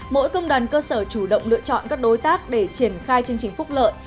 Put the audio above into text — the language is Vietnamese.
mỗi công đoàn cơ sở chủ động lựa chọn các đối tác để triển khai chương trình phúc lợi